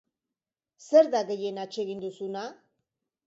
Zer da gehien atsegin duzuna?